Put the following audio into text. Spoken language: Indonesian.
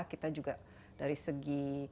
kita juga dari segi